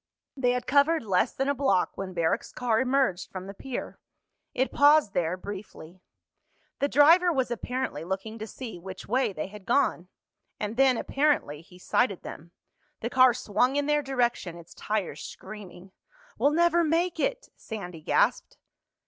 They had covered less than a block when Barrack's car emerged from the pier. It paused there briefly. The driver was apparently looking to see which way they had gone. And then, apparently, he sighted them. The car swung in their direction, its tires screaming. "We'll never make it!" Sandy gasped.